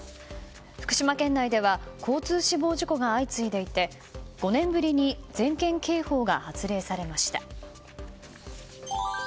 福島県内では交通死亡事故が相次いでいて５年ぶりに全県警報が発令されました。